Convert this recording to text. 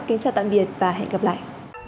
kính chào tạm biệt và hẹn gặp lại